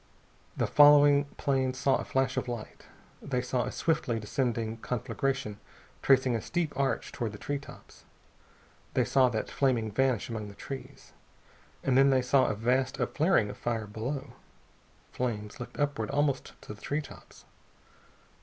The following planes saw a flash of light. They saw a swiftly descending conflagration tracing a steep arch toward the tree tops. They saw that flaming vanish among the trees. And then they saw a vast upflaring of fire below. Flames licked upward almost to the tree tops....